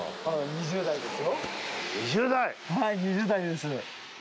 ２０代です。